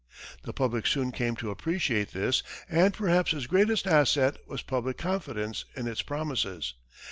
The public soon came to appreciate this, and perhaps his greatest asset was public confidence in his promises.